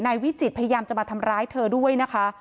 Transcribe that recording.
วิจิตพยายามจะมาทำร้ายเธอด้วยนะคะ